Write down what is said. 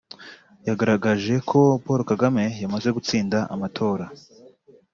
yagaragaje ko Paul Kagame yamaze gutsinda amatora